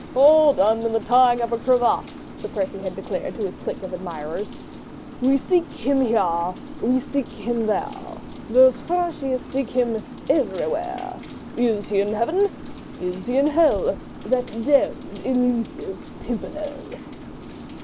"All done in the tying of a cravat," Sir Percy had declared to his clique of admirers. "We seek him here, we seek him there, Those Frenchies seek him everywhere. Is he in heaven?—Is he in hell? That demmed, elusive Pimpernel?"